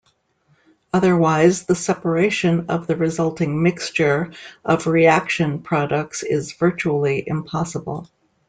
Otherwise, the separation of the resulting mixture of reaction products is virtually impossible.